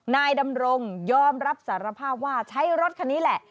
นายดำรงยอมรับสารภาพว่าใช้รถคันนี้แหละ